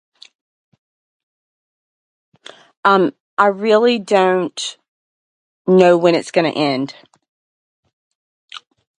Um... I really don't... know when it's gonna end.